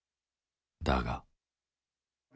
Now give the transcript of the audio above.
だが。